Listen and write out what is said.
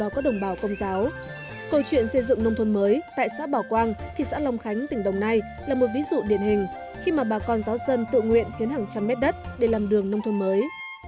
câu chuyện xây dựng nông thôn mới tại xã bảo quang thị xã long khánh tỉnh đồng nai là một ví dụ điển hình khi mà bà con giáo dân tự nguyện khiến hàng trăm mét đất để làm đường nông thôn mới